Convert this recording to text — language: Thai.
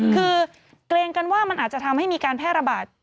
คือเกรงกันว่ามันอาจจะทำให้มีการแพร่ระบาด